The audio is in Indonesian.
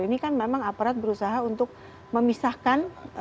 ini kan memang aparat berusaha untuk memisahkan